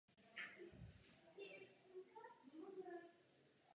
V knize však není psáno že by spolu mluvili.